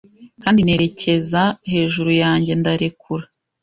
kandi nerekeza hejuru yanjye ndarekura